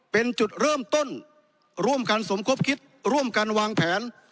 เป็นจุดเริ่มต้นร่วมกันสมคบคิดร่วมกันวางแผน